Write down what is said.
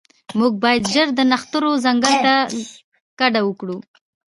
موږ باید ژر د نښترو ځنګل ته کډه وکړو